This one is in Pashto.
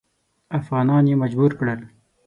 افغانان یې مجبور کړل.